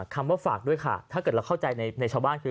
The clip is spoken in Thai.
คำว่าฝากด้วยค่ะถ้าเกิดเราเข้าใจในชาวบ้านคือ